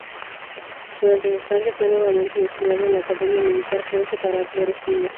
Durante su estancia fue nuevamente destinado en la Academia Militar Frunze para ampliar estudios.